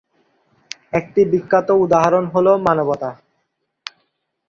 একটি বিখ্যাত উদাহরণ হল "মানবতা"।